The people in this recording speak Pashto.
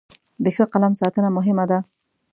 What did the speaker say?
د ښه قلم ساتنه مهمه ده.